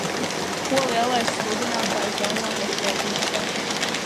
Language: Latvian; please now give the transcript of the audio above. Ko Lielais sludinātājs domā par šo visu?